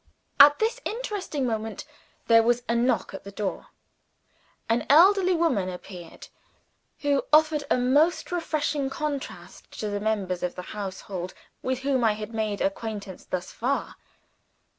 At this interesting moment there was a knock at the door. An elderly woman appeared who offered a most refreshing contrast to the members of the household with whom I had made acquaintance thus far.